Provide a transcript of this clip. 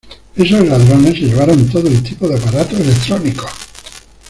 Esos ladrones se llevaron todo tipo de aparatos electrónicos.